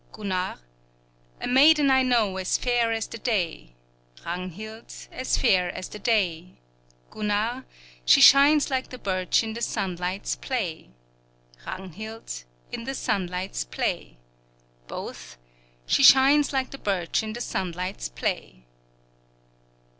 Gunnar A maiden I know as fair as the day, Ragnhild As fair as the day; Gunnar She shines like the birch in the sunlight's play, Ragnhild In the sunlight's play; Both She shines like the birch in the sunlight's play.